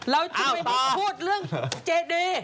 เราจะไปพูดเรื่องเจดี